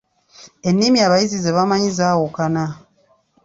Ennimi abayizi ze bamanyi zaawukana.